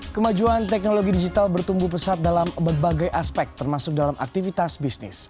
kemajuan teknologi digital bertumbuh pesat dalam berbagai aspek termasuk dalam aktivitas bisnis